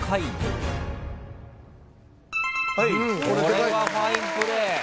これはファインプレー。